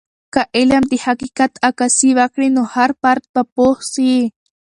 که علم د حقیقت عکاسي وکړي، نو هر فرد به پوه سي.